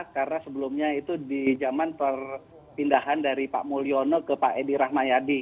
karena sebelumnya itu di zaman perpindahan dari pak mulyono ke pak edi rahmayadi